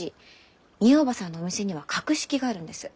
みえ叔母さんのお店には格式があるんです。